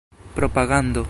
propagando